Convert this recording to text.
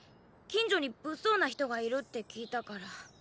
近所にぶっそうな人がいるって聞いたから。